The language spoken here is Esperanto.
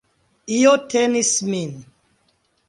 Io tenis min.